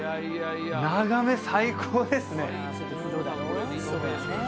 眺め最高ですね